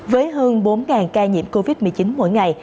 với hơn bốn ca nhiễm covid một mươi chín mỗi ngày